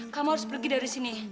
kamu harus pergi dari sini